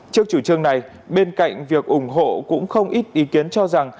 trước chủ trương này bên cạnh việc ủng hộ cũng không ít ý kiến cho rằng